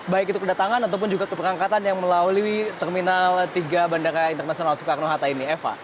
baik itu kedatangan ataupun juga keberangkatan yang melalui terminal tiga bandara internasional soekarno hatta ini eva